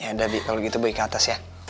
ya udah bi kalau gitu bu ikan atas ya